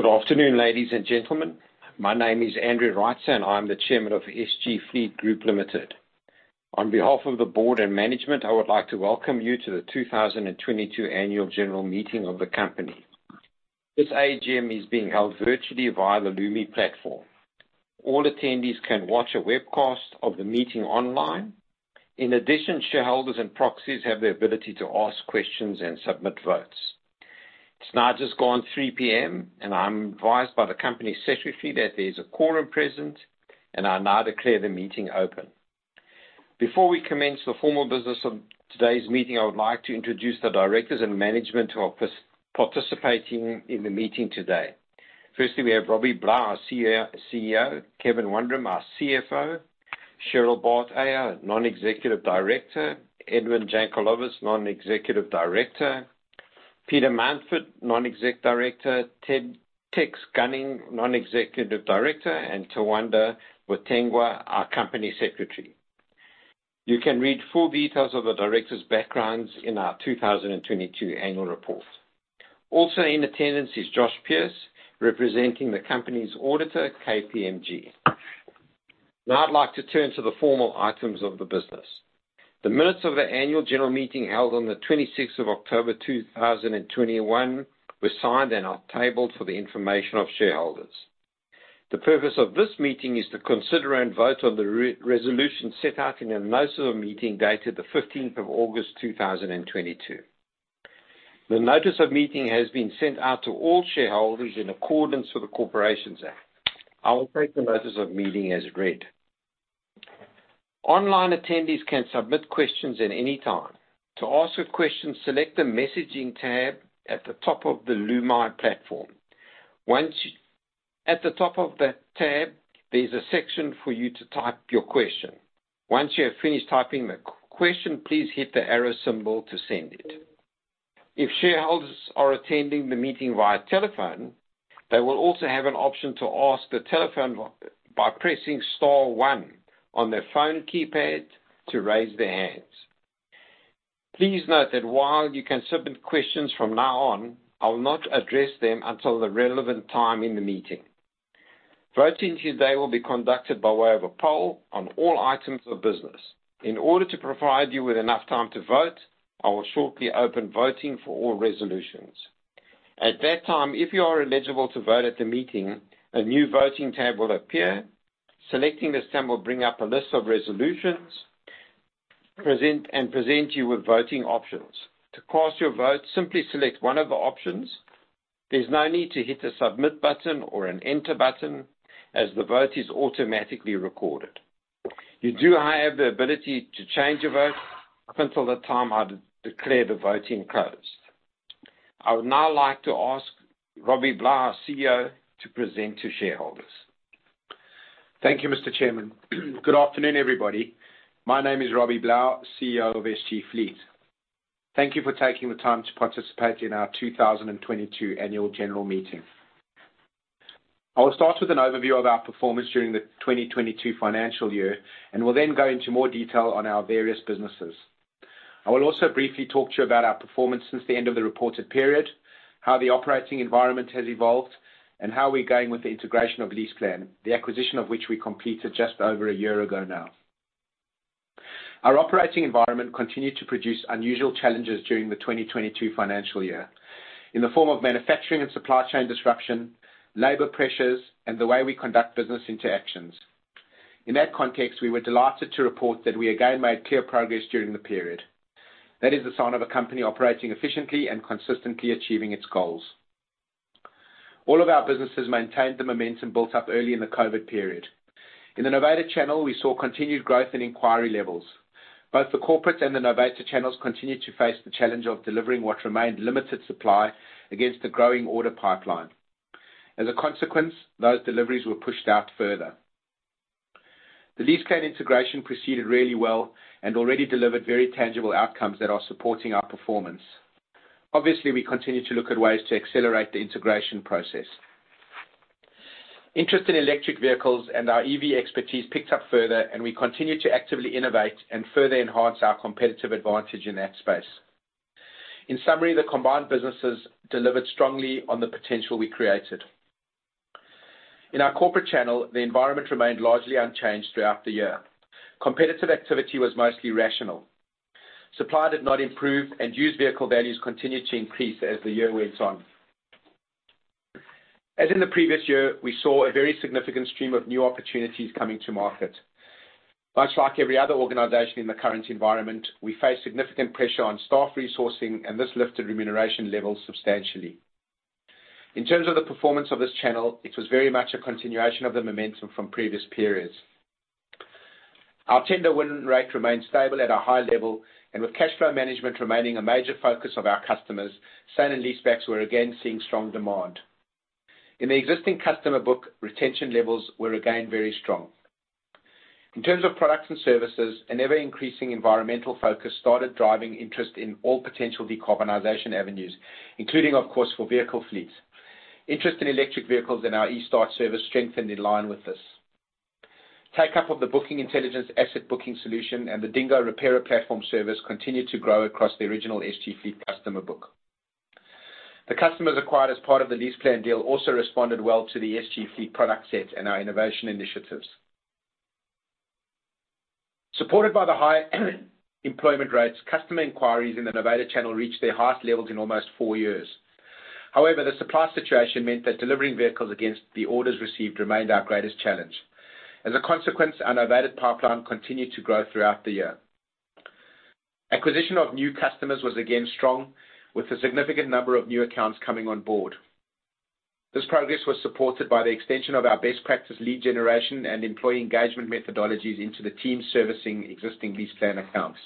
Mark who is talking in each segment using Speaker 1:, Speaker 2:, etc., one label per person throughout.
Speaker 1: Good afternoon, ladies and gentlemen. My name is Andrew Reitzer, I'm the Chairman of SG Fleet Group Limited. On behalf of the board and management, I would like to welcome you to the 2022 annual general meeting of the company. This AGM is being held virtually via the Lumi platform. All attendees can watch a webcast of the meeting online. In addition, shareholders and proxies have the ability to ask questions and submit votes. It's now just gone 3:00 P.M., and I'm advised by the company secretary that there's a quorum present, and I now declare the meeting open. Before we commence the formal business of today's meeting, I would like to introduce the directors and management who are participating in the meeting today. Firstly, we have Robbie Blau, our CEO, Kevin Wundram, our CFO, Cheryl Bart, Non-Executive Director, Edwin Jankelowitz, Non-Executive Director, Peter Mountford, Non-Executive Director, Tex Gunning, Non-Executive Director, and Tawanda Mutengwa, our company secretary. You can read full details of the directors' backgrounds in our 2022 annual report. Also in attendance is Josh Pearce, representing the company's auditor, KPMG. Now, I'd like to turn to the formal items of the business. The minutes of the annual general meeting held on the 26th of October 2021 were signed and are tabled for the information of shareholders. The purpose of this meeting is to consider and vote on the resolution set out in the notice of meeting dated the 15th of August 2022. The notice of meeting has been sent out to all shareholders in accordance with the Corporations Act. I will take the notice of meeting as read. Online attendees can submit questions at any time. To ask a question, select the messaging tab at the top of the Lumi platform. At the top of the tab, there's a section for you to type your question. Once you have finished typing the question, please hit the arrow symbol to send it. If shareholders are attending the meeting via telephone, they will also have an option to ask by pressing star one on their phone keypad to raise their hands. Please note that while you can submit questions from now on, I will not address them until the relevant time in the meeting. Voting today will be conducted by way of a poll on all items of business. In order to provide you with enough time to vote, I will shortly open voting for all resolutions. At that time, if you are eligible to vote at the meeting, a new voting tab will appear. Selecting this tab will bring up a list of resolutions, and present you with voting options. To cast your vote, simply select one of the options. There's no need to hit the Submit button or an Enter button as the vote is automatically recorded. You do have the ability to change your vote up until the time I declare the voting closed. I would now like to ask Robbie Blau, our CEO, to present to shareholders.
Speaker 2: Thank you, Mr. Chairman. Good afternoon, everybody. My name is Robbie Blau, CEO of SG Fleet. Thank you for taking the time to participate in our 2022 annual general meeting. I will start with an overview of our performance during the 2022 financial year, and will then go into more detail on our various businesses. I will also briefly talk to you about our performance since the end of the reported period, how the operating environment has evolved, and how we're going with the integration of LeasePlan, the acquisition of which we completed just over a year ago now. Our operating environment continued to produce unusual challenges during the 2022 financial year in the form of manufacturing and supply chain disruption, labor pressures, and the way we conduct business interactions. In that context, we were delighted to report that we again made clear progress during the period. That is the sign of a company operating efficiently and consistently achieving its goals. All of our businesses maintained the momentum built up early in the COVID period. In the novated channel, we saw continued growth in inquiry levels. Both the corporate and the novated channels continued to face the challenge of delivering what remained limited supply against the growing order pipeline. As a consequence, those deliveries were pushed out further. The LeasePlan integration proceeded really well and already delivered very tangible outcomes that are supporting our performance. Obviously, we continue to look at ways to accelerate the integration process. Interest in electric vehicles and our EV expertise picked up further, and we continue to actively innovate and further enhance our competitive advantage in that space. In summary, the combined businesses delivered strongly on the potential we created. In our corporate channel, the environment remained largely unchanged throughout the year. Competitive activity was mostly rational. Supply did not improve and used vehicle values continued to increase as the year went on. As in the previous year, we saw a very significant stream of new opportunities coming to market. Much like every other organization in the current environment, we face significant pressure on staff resourcing, and this lifted remuneration levels substantially. In terms of the performance of this channel, it was very much a continuation of the momentum from previous periods. Our tender win rate remained stable at a high level, and with cash flow management remaining a major focus of our customers, sale and leasebacks were again seeing strong demand. In the existing customer book, retention levels were again very strong. In terms of products and services, an ever-increasing environmental focus started driving interest in all potential decarbonization avenues, including, of course, for vehicle fleets. Interest in electric vehicles in our eStart service strengthened in line with this. Take up of the Bookingintelligence asset booking solution and the DingGo platform service continued to grow across the original SG Fleet customer book. The customers acquired as part of the LeasePlan deal also responded well to the SG Fleet product set and our innovation initiatives. Supported by the high employment rates, customer inquiries in the novated channel reached their highest levels in almost four years. However, the supply situation meant that delivering vehicles against the orders received remained our greatest challenge. As a consequence, our novated pipeline continued to grow throughout the year. Acquisition of new customers was again strong, with a significant number of new accounts coming on board. This progress was supported by the extension of our best practice lead generation and employee engagement methodologies into the team servicing existing LeasePlan accounts.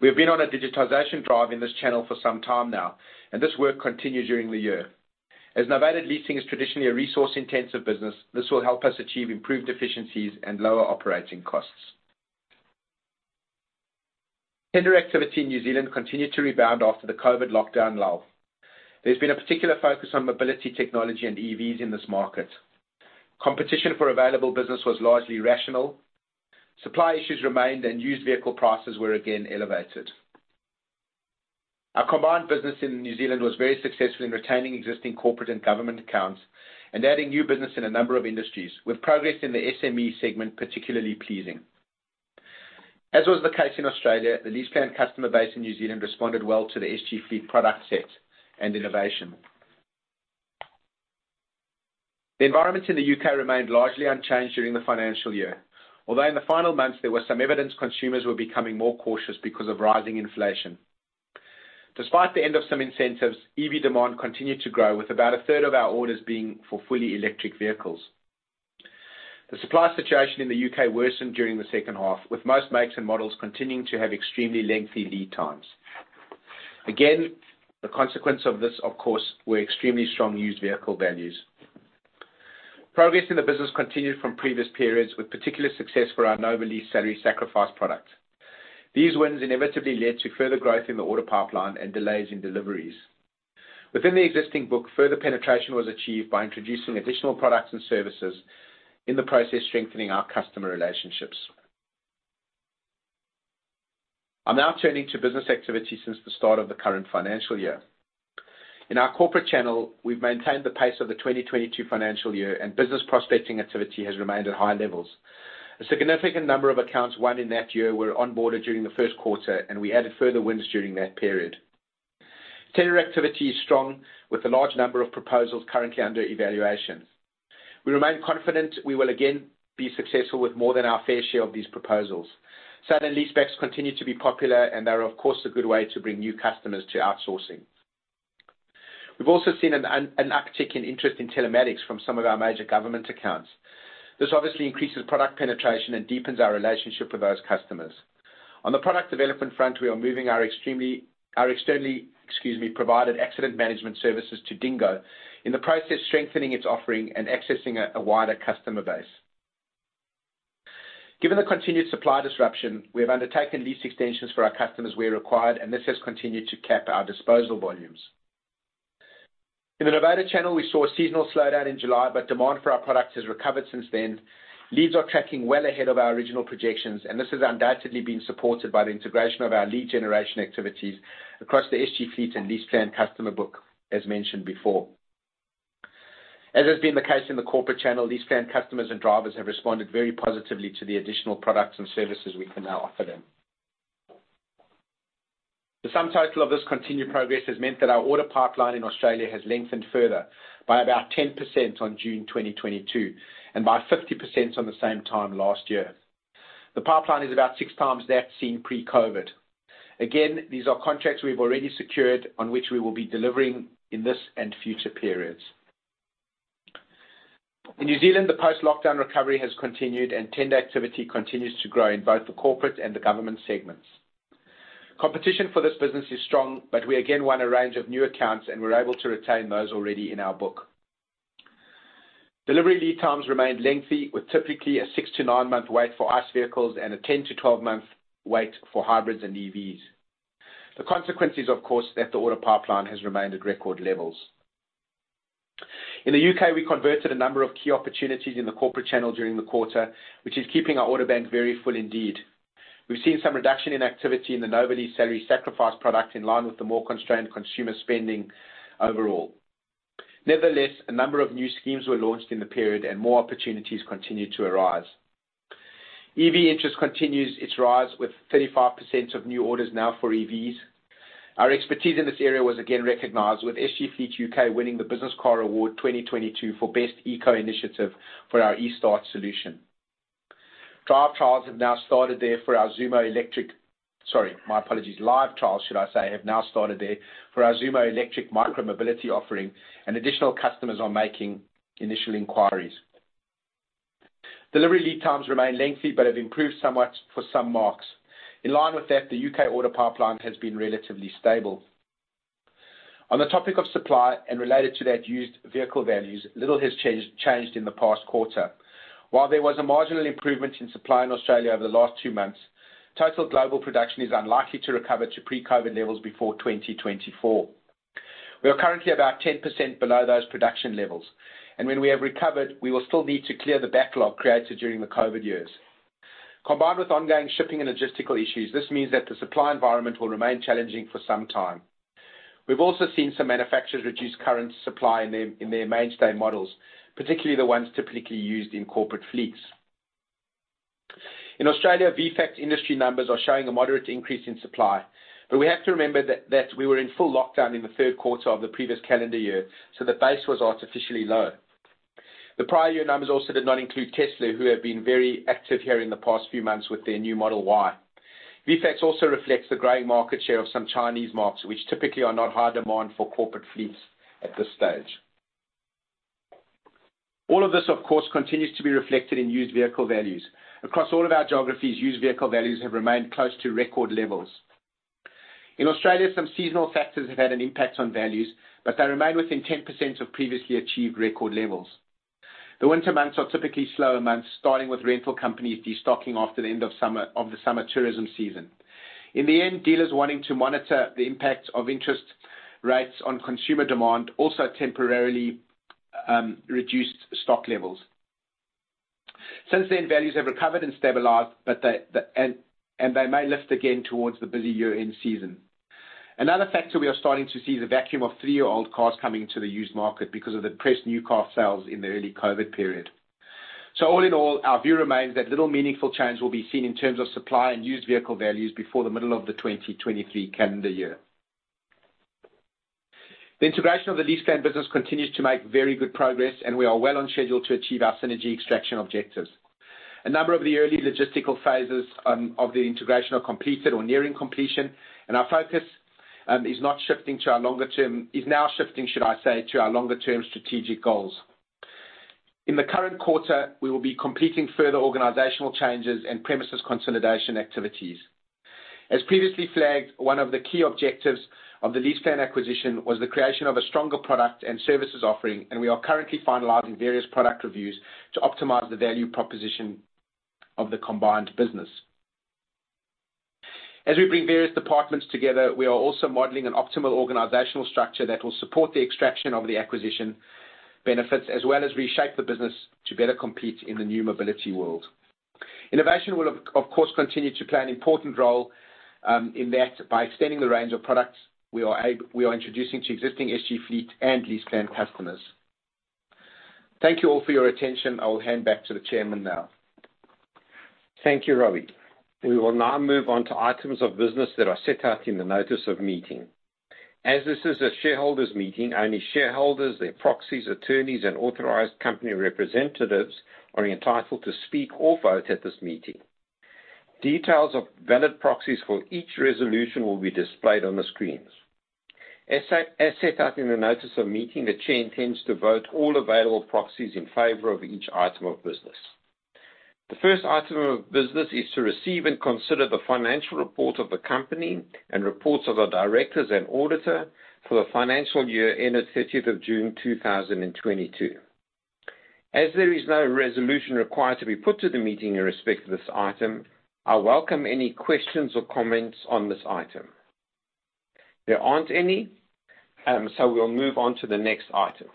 Speaker 2: We have been on a digitization drive in this channel for some time now, and this work continued during the year. As novated leasing is traditionally a resource-intensive business, this will help us achieve improved efficiencies and lower operating costs. Tender activity in New Zealand continued to rebound after the COVID lockdown lull. There's been a particular focus on mobility technology and EVs in this market. Competition for available business was largely rational. Supply issues remained, and used vehicle prices were again elevated. Our combined business in New Zealand was very successful in retaining existing corporate and government accounts and adding new business in a number of industries, with progress in the SME segment particularly pleasing. As was the case in Australia, the LeasePlan customer base in New Zealand responded well to the SG Fleet product set and innovation. The environment in the U.K. remained largely unchanged during the financial year, although in the final months there was some evidence consumers were becoming more cautious because of rising inflation. Despite the end of some incentives, EV demand continued to grow, with about a third of our orders being for fully electric vehicles. The supply situation in the U.K. worsened during the second half, with most makes and models continuing to have extremely lengthy lead times. Again, the consequence of this, of course, were extremely strong used vehicle values. Progress in the business continued from previous periods, with particular success for our Novalease salary sacrifice product. These wins inevitably led to further growth in the order pipeline and delays in deliveries. Within the existing book, further penetration was achieved by introducing additional products and services, in the process strengthening our customer relationships. I'm now turning to business activity since the start of the current financial year. In our corporate channel, we've maintained the pace of the 2022 financial year, and business prospecting activity has remained at high levels. A significant number of accounts won in that year were onboarded during the first quarter, and we added further wins during that period. Tender activity is strong, with a large number of proposals currently under evaluation. We remain confident we will again be successful with more than our fair share of these proposals. Sale and leasebacks continue to be popular, and they are, of course, a good way to bring new customers to outsourcing. We've also seen an uptick in interest in telematics from some of our major government accounts. This obviously increases product penetration and deepens our relationship with those customers. On the product development front, we are moving our externally provided accident management services to DingGo, in the process strengthening its offering and accessing a wider customer base. Given the continued supply disruption, we have undertaken lease extensions for our customers where required, and this has continued to cap our disposal volumes. In the Novated channel, we saw a seasonal slowdown in July, but demand for our products has recovered since then. Leads are tracking well ahead of our original projections, and this has undoubtedly been supported by the integration of our lead generation activities across the SG Fleet and LeasePlan customer book, as mentioned before. As has been the case in the corporate channel, LeasePlan customers and drivers have responded very positively to the additional products and services we can now offer them. The sum total of this continued progress has meant that our order pipeline in Australia has lengthened further by about 10% on June 2022, and by 50% on the same time last year. The pipeline is about 6x that seen pre-COVID. Again, these are contracts we've already secured on which we will be delivering in this and future periods. In New Zealand, the post-lockdown recovery has continued, and tender activity continues to grow in both the corporate and the government segments. Competition for this business is strong, but we again won a range of new accounts, and we're able to retain those already in our book. Delivery lead times remained lengthy, with typically a six- to nine-month wait for ICE vehicles and a 10- to 12-month wait for hybrids and EVs. The consequence is, of course, that the order pipeline has remained at record levels. In the U.K., we converted a number of key opportunities in the corporate channel during the quarter, which is keeping our order bank very full indeed. We've seen some reduction in activity in the Novalease salary sacrifice product in line with the more constrained consumer spending overall. Nevertheless, a number of new schemes were launched in the period, and more opportunities continued to arise. EV interest continues its rise, with 35% of new orders now for EVs. Our expertise in this area was again recognized, with SG Fleet U.K. winning the Business Car Awards 2022 for Best Eco Initiative for our eStart solution. Live trials, should I say, have now started there for our Zoomo electric micromobility offering, and additional customers are making initial inquiries. Delivery lead times remain lengthy but have improved somewhat for some makes. In line with that, the U.K. order pipeline has been relatively stable. On the topic of supply and related to that used vehicle values, little has changed in the past quarter. While there was a marginal improvement in supply in Australia over the last two months, total global production is unlikely to recover to pre-COVID levels before 2024. We are currently about 10% below those production levels, and when we have recovered, we will still need to clear the backlog created during the COVID years. Combined with ongoing shipping and logistical issues, this means that the supply environment will remain challenging for some time. We've also seen some manufacturers reduce current supply in their mainstay models, particularly the ones typically used in corporate fleets. In Australia, VFACTS industry numbers are showing a moderate increase in supply, but we have to remember that we were in full lockdown in the third quarter of the previous calendar year, so the base was artificially low. The prior year numbers also did not include Tesla, who have been very active here in the past few months with their new Model Y. VFACTS also reflects the growing market share of some Chinese makes, which typically are not high demand for corporate fleets at this stage. All of this, of course, continues to be reflected in used vehicle values. Across all of our geographies, used vehicle values have remained close to record levels. In Australia, some seasonal factors have had an impact on values, but they remain within 10% of previously achieved record levels. The winter months are typically slower months, starting with rental companies destocking after the end of summer, of the summer tourism season. In the end, dealers wanting to monitor the impact of interest rates on consumer demand also temporarily reduced stock levels. Since then, values have recovered and stabilized, but they may lift again towards the busy year-end season. Another factor we are starting to see is the vacuum of three-year-old cars coming to the used market because of the depressed new car sales in the early COVID period. All in all, our view remains that little meaningful change will be seen in terms of supply and used vehicle values before the middle of the 2023 calendar year. The integration of the LeasePlan business continues to make very good progress, and we are well on schedule to achieve our synergy extraction objectives. A number of the early logistical phases of the integration are completed or nearing completion, and our focus is now shifting, should I say, to our longer term strategic goals. In the current quarter, we will be completing further organizational changes and premises consolidation activities. As previously flagged, one of the key objectives of the LeasePlan acquisition was the creation of a stronger product and services offering, and we are currently finalizing various product reviews to optimize the value proposition of the combined business. As we bring various departments together, we are also modeling an optimal organizational structure that will support the extraction of the acquisition benefits, as well as reshape the business to better compete in the new mobility world. Innovation will of course continue to play an important role in that by extending the range of products we are introducing to existing SG Fleet and LeasePlan customers. Thank you all for your attention. I will hand back to the chairman now.
Speaker 1: Thank you, Robbie. We will now move on to items of business that are set out in the notice of meeting. As this is a shareholders meeting, only shareholders, their proxies, attorneys, and authorized company representatives are entitled to speak or vote at this meeting. Details of valid proxies for each resolution will be displayed on the screens. As set out in the notice of meeting, the Chair intends to vote all available proxies in favor of each item of business. The first item of business is to receive and consider the financial report of the company and reports of the directors and auditor for the financial year ended 30th of June 2022. As there is no resolution required to be put to the meeting in respect to this item, I welcome any questions or comments on this item. There aren't any, so we'll move on to the next item.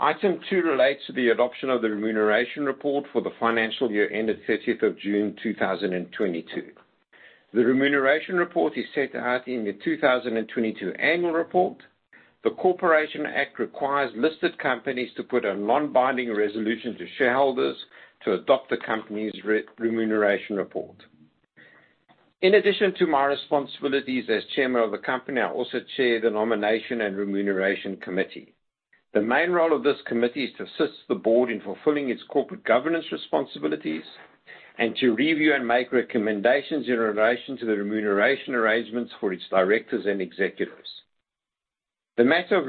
Speaker 1: Item two relates to the adoption of the remuneration report for the financial year ended 30 June 2022. The remuneration report is set out in the 2022 annual report. The Corporations Act requires listed companies to put a non-binding resolution to shareholders to adopt the company's remuneration report. In addition to my responsibilities as chairman of the company, I also chair the Nomination and Remuneration Committee. The main role of this committee is to assist the board in fulfilling its corporate governance responsibilities and to review and make recommendations in relation to the remuneration arrangements for its directors and executives. The matter of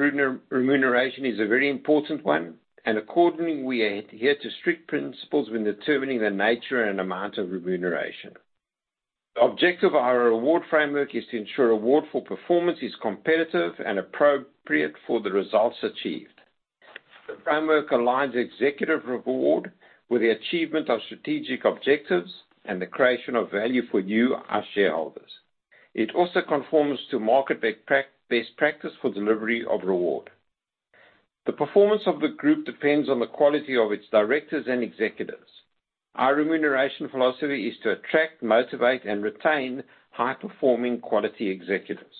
Speaker 1: remuneration is a very important one, and accordingly, we adhere to strict principles when determining the nature and amount of remuneration. The objective of our reward framework is to ensure reward for performance is competitive and appropriate for the results achieved. The framework aligns executive reward with the achievement of strategic objectives and the creation of value for you, our shareholders. It also conforms to market best-practice-based practice for delivery of reward. The performance of the group depends on the quality of its directors and executives. Our remuneration philosophy is to attract, motivate, and retain high-performing quality executives.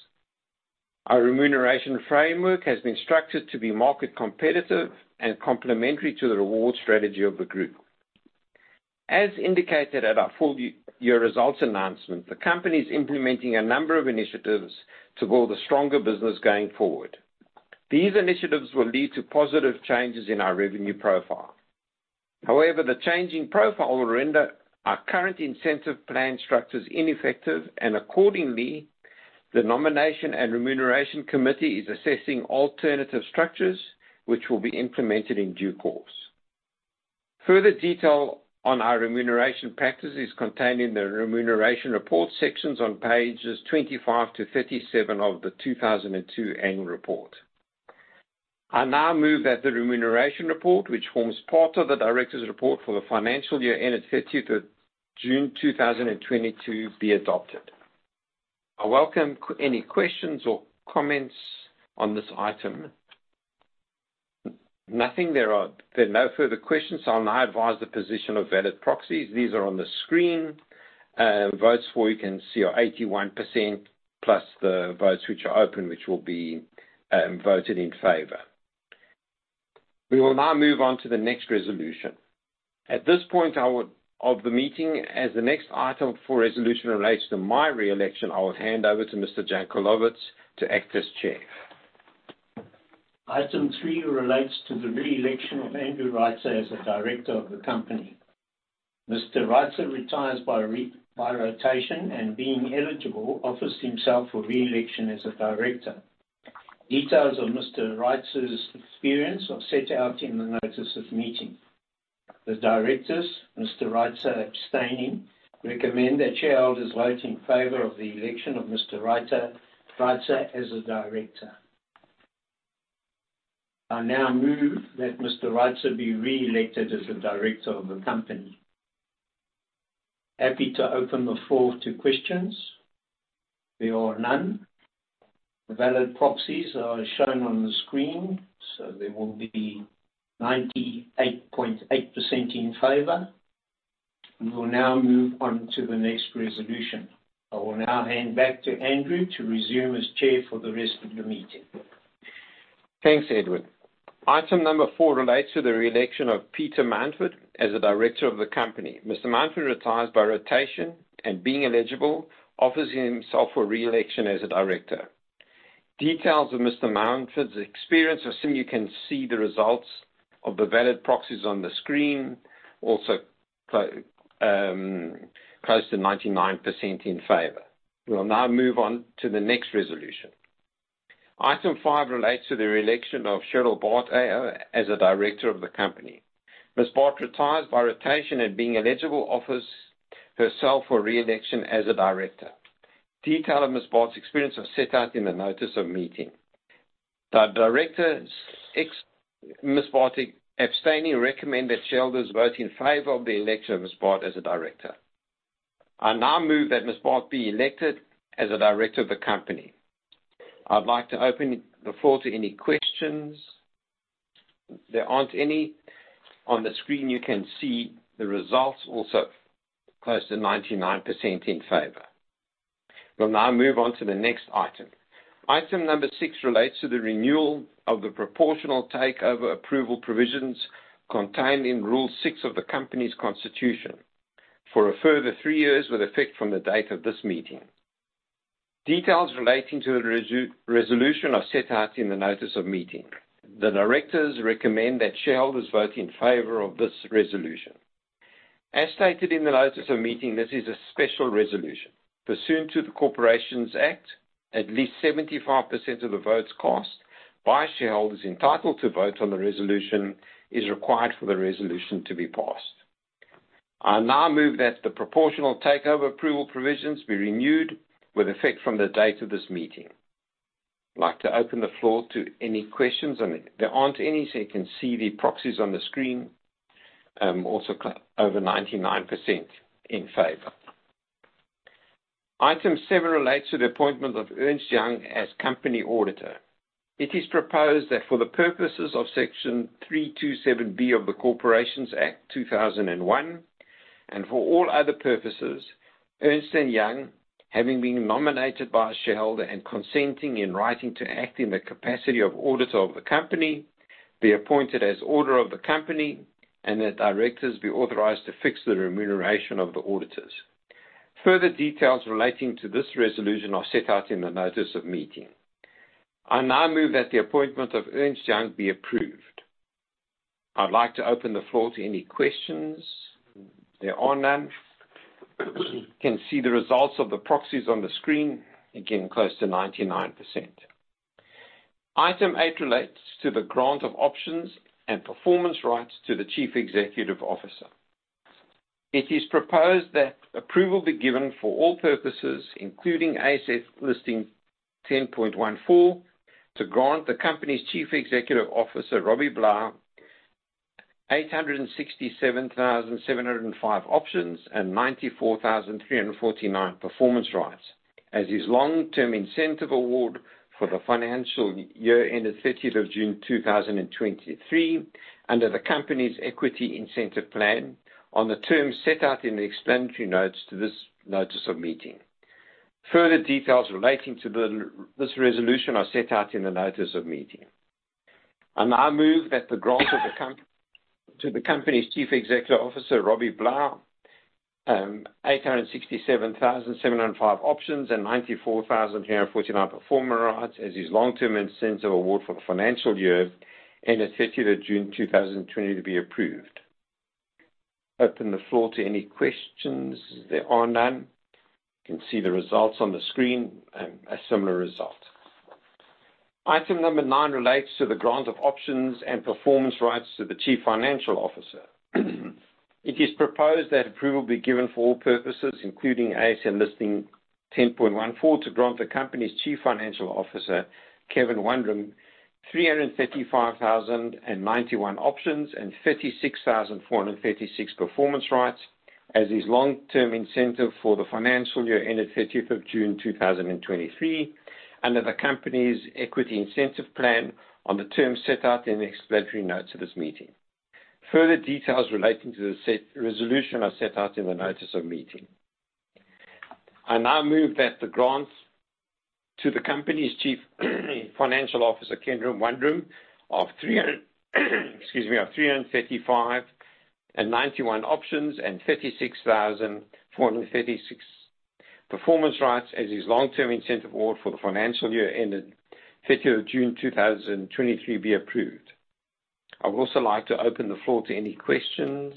Speaker 1: Our remuneration framework has been structured to be market competitive and complementary to the reward strategy of the group. As indicated at our full-year results announcement, the company is implementing a number of initiatives to build a stronger business going forward. These initiatives will lead to positive changes in our revenue profile. However, the change in profile will render our current incentive plan structures ineffective, and accordingly, the Nomination and Remuneration Committee is assessing alternative structures which will be implemented in due course. Further detail on our remuneration practice is contained in the remuneration report sections on pages 25-37 of the 2022 annual report. I now move that the remuneration report, which forms part of the directors' report for the financial year ended 30 June 2022, be adopted. I welcome any questions or comments on this item. Nothing there. There are no further questions. I'll now advise the position of valid proxies. These are on the screen. Votes for, you can see, are 81%, plus the votes which are open, which will be voted in favor. We will now move on to the next resolution. At this point of the meeting, as the next item for resolution relates to my re-election, I will hand over to Mr. Edwin Jankelowitz to act as chair.
Speaker 3: Item three relates to the re-election of Andrew Reitzer as a director of the company. Mr. Reitzer retires by rotation, and being eligible, offers himself for re-election as a director. Details of Mr. Reitzer's experience are set out in the notice of meeting. The directors, Mr. Reitzer abstaining, recommend that shareholders vote in favor of the election of Mr. Reitzer as a director. I now move that Mr. Reitzer be re-elected as a director of the company. Happy to open the floor to questions. There are none. The valid proxies are shown on the screen, so there will be 98.8% in favor. We will now move on to the next resolution. I will now hand back to Andrew to resume as chair for the rest of the meeting.
Speaker 1: Thanks, Edwin. Item number four relates to the re-election of Peter Mountford as a director of the company. Mr. Mountford retires by rotation, and being eligible, offers himself for re-election as a director. Details of Mr. Mountford's experience. Assume you can see the results of the valid proxies on the screen, also close to 99% in favor. We will now move on to the next resolution. Item five relates to the re-election of Cheryl Bart as a director of the company. Ms. Bart retires by rotation, and being eligible, offers herself for re-election as a director. Detail of Ms. Bart's experience are set out in the notice of meeting. The directors, except Ms. Bart abstaining, recommend that shareholders vote in favor of the election of Ms. Bart as a director. I now move that Ms. Bart be elected as a director of the company. I'd like to open the floor to any questions. There aren't any. On the screen, you can see the results, also close to 99% in favor. We'll now move on to the next item. Item number six relates to the renewal of the proportional takeover approval provisions contained in Rule six of the company's constitution for a further three years with effect from the date of this meeting. Details relating to the resolution are set out in the notice of meeting. The directors recommend that shareholders vote in favor of this resolution. As stated in the notice of meeting, this is a special resolution. Pursuant to the Corporations Act, at least 75% of the votes cast by shareholders entitled to vote on the resolution is required for the resolution to be passed. I now move that the proportional takeover approval provisions be renewed with effect from the date of this meeting. I'd like to open the floor to any questions. There aren't any, so you can see the proxies on the screen, also over 99% in favor. Item seven relates to the appointment of Ernst & Young as company auditor. It is proposed that for the purposes of Section 327B of the Corporations Act 2001, and for all other purposes, Ernst & Young, having been nominated by a shareholder and consenting in writing to act in the capacity of auditor of the company, be appointed as auditor of the company and that directors be authorized to fix the remuneration of the auditors. Further details relating to this resolution are set out in the notice of meeting. I now move that the appointment of Ernst & Young be approved. I'd like to open the floor to any questions. There are none. You can see the results of the proxies on the screen, again, close to 99%. Item eight relates to the grant of options and performance rights to the chief executive officer. It is proposed that approval be given for all purposes, including ASX Listing Rule 10.14, to grant the company's Chief Executive Officer, Robbie Blau, 867,705 options and 94,349 performance rights as his long-term incentive award for the financial year ended 30th of June 2023 under the company's Equity Incentive Plan on the terms set out in the explanatory notes to this notice of meeting. Further details relating to this resolution are set out in the notice of meeting. I now move that the grant to the company's Chief Executive Officer, Robbie Blau, 867,705 options and 94,349 performance rights as his long-term incentive award for the financial year ended 30th of June 2020 to be approved. Open the floor to any questions. There are none. You can see the results on the screen, a similar result. Item number nine relates to the grant of options and performance rights to the Chief Financial Officer. It is proposed that approval be given for all purposes, including ASX Listing Rule 10.14, to grant the company's Chief Financial Officer, Kevin Wundram, 335,091 options and 36,436 performance rights as his long-term incentive for the financial year ended 30 June 2023 under the company's Equity Incentive Plan on the terms set out in the explanatory notes of this meeting. Further details relating to this resolution are set out in the notice of meeting. I now move that the grants to the company's Chief Financial Officer, Kevin Wundram, of 335,091 options and 36,436 performance rights as his long-term incentive award for the financial year ended 30th June 2023 be approved. I would also like to open the floor to any questions.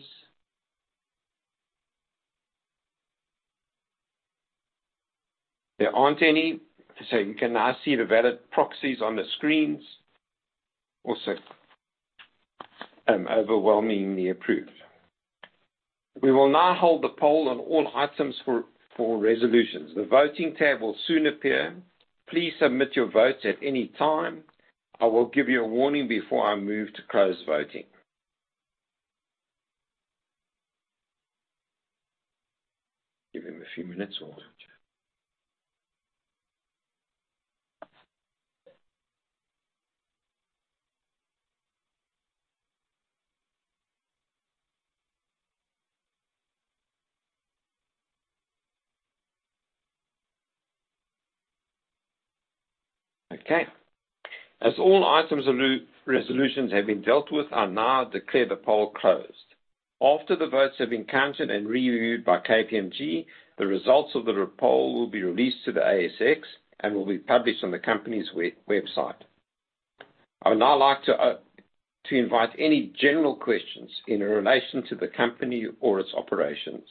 Speaker 1: There aren't any, so you can now see the valid proxies on the screens. Also, overwhelmingly approved. We will now hold the poll on all items for resolutions. The voting tab will soon appear. Please submit your votes at any time. I will give you a warning before I move to close voting. Give him a few minutes. Okay. As all items resolutions have been dealt with, I now declare the poll closed. After the votes have been counted and reviewed by KPMG, the results of the poll will be released to the ASX and will be published on the company's website. I would now like to invite any general questions in relation to the company or its operations.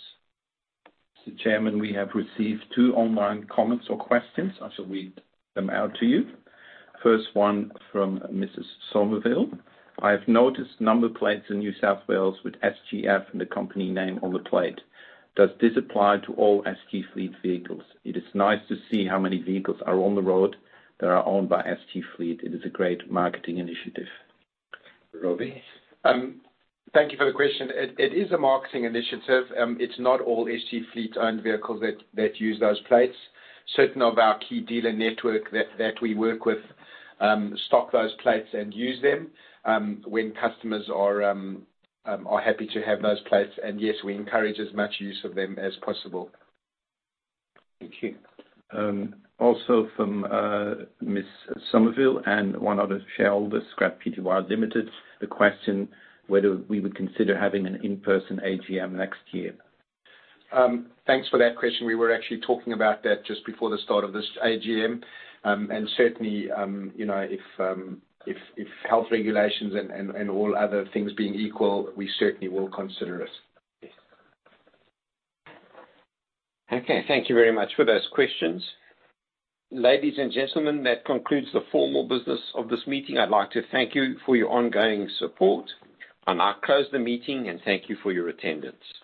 Speaker 4: Mr. Chairman, we have received two online comments or questions. I shall read them out to you. First one from Mrs. Somerville. I have noticed number plates in New South Wales with SGF and the company name on the plate. Does this apply to all SG Fleet vehicles? It is nice to see how many vehicles are on the road that are owned by SG Fleet. It is a great marketing initiative.
Speaker 1: Robby?
Speaker 2: Thank you for the question. It is a marketing initiative. It's not all SG Fleet-owned vehicles that use those plates. Certain of our key dealer network that we work with stock those plates and use them when customers are happy to have those plates. Yes, we encourage as much use of them as possible.
Speaker 4: Thank you. Also from Mrs. Somerville and one other shareholder, Scrap Pty Limited, the question whether we would consider having an in-person AGM next year.
Speaker 2: Thanks for that question. We were actually talking about that just before the start of this AGM. Certainly, you know, if health regulations and all other things being equal, we certainly will consider it.
Speaker 1: Yes. Okay. Thank you very much for those questions. Ladies and gentlemen, that concludes the formal business of this meeting. I'd like to thank you for your ongoing support. I'll now close the meeting, and thank you for your attendance.